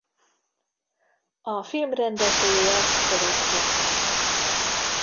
A film rendezője Török Zoltán.